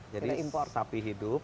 jadi sapi hidup